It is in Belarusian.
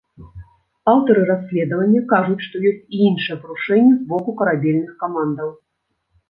Аўтары расследавання кажуць, што ёсць і іншыя парушэнні з боку карабельных камандаў.